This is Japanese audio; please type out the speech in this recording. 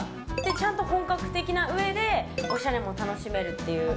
ちゃんと本格的なうえでおしゃれも楽しめるっていう。